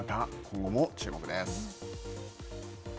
今後も注目です！